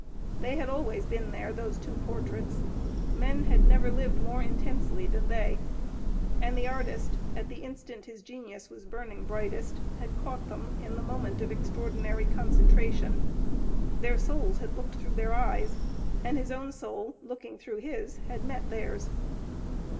They had always been there, those two portraits. Men had never lived more intensely than they, and the artist, at the instant his genius was burning brightest, had caught them in the moment of extraordinary concentration. Their souls had looked through their eyes and his own soul looking through his had met theirs.